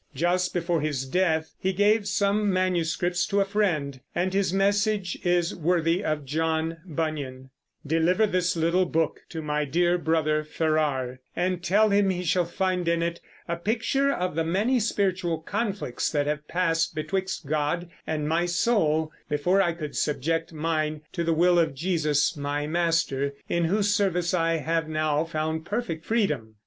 Just before his death he gave some manuscripts to a friend, and his message is worthy of John Bunyan: Deliver this little book to my dear brother Ferrar, and tell him he shall find in it a picture of the many spiritual conflicts that have passed betwixt God and my soul before I could subject mine to the will of Jesus my master, in whose service I have now found perfect freedom.